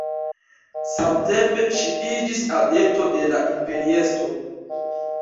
Samtempe ŝi iĝis adepto de la imperiestro.